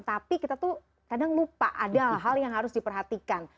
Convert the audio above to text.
tapi kita tuh kadang lupa ada hal hal yang harus diperhatikan